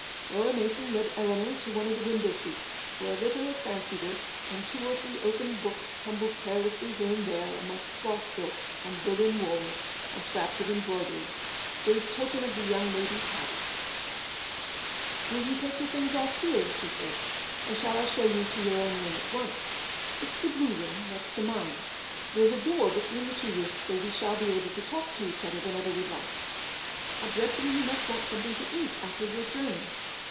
Laura Mason led Eleanor to one of the window seats, where a litter of fancy work, and two or three open books tumbled carelessly here and there amongst floss silks and Berlin wools and scraps of embroidery, gave token of the young lady's habits. " Will you take off your things here/' she said, " or shall I show you your own room at once ? It's the blue room, next to mine. There's a door between the two rooms, so we shall be able to talk to each other whenever we like. How dreadfully you must want something to eat after your journey